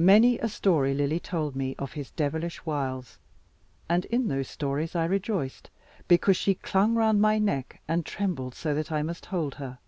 Many a story Lily told me of his devilish wiles; and in those stories I rejoiced, because she clung around my neck, and trembled so that I must hold her.